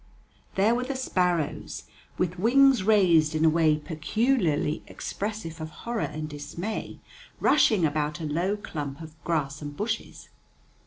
There were the sparrows, with wings raised in a way peculiarly expressive of horror and dismay, rushing about a low clump of grass and bushes.